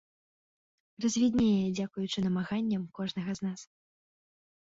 Развіднее дзякуючы намаганням кожнага з нас.